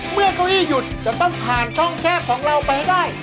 เก้าอี้หยุดจะต้องผ่านช่องแคบของเราไปให้ได้